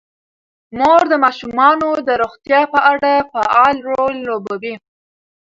مور د ماشومانو د روغتیا په اړه فعال رول لوبوي.